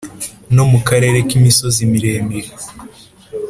no mu karere k’imisozi miremire,